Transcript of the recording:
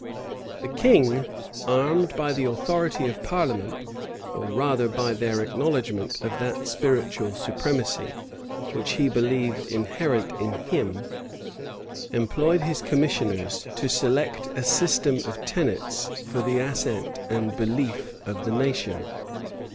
The king, armed by the authority of parliament, or rather by their acknowledgment of that spiritual supremacy which he believed inherent in him, employed his commissioners to select a system of tenets for the assent and belief of the nation.